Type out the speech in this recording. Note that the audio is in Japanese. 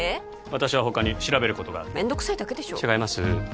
私は他に調べることがあるめんどくさいだけでしょ違います